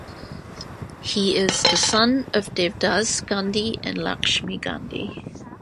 He is the son of Devadas Gandhi and Lakshmi Gandhi.